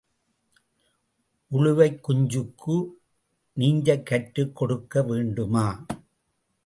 உளுவைக் குஞ்சுக்கு நீஞ்சக்கற்றுக் கொடுக்க வேண்டுமா?